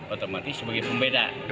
otomatis sebagai pembeda